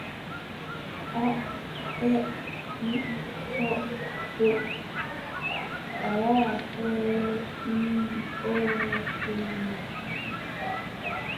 Bold indicates overall winner.